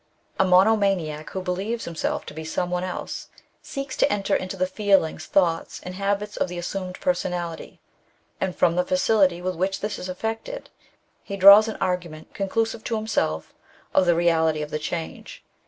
A monomaniac who believes himself to be some one else, seeks to enter into the feelings, thoughts, and habits of the assumed personality, and from the facility with which this is effected, he draws an argument, con clusive to himself, of the reality of the change.